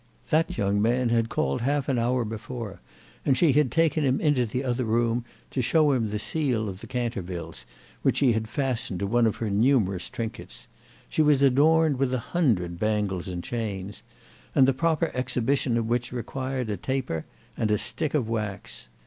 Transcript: That young man had called half an hour before, and she had taken him into the other room to show him the seal of the Cantervilles, which she had fastened to one of her numerous trinkets—she was adorned with a hundred bangles and chains—and the proper exhibition of which required a taper and a stick of wax.